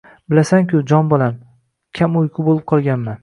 —Bilasan-ku, jon bolam, kamuyqu bo'lib qolganman.